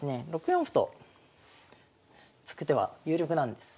６四歩と突く手は有力なんです。